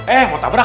eh mau tabrak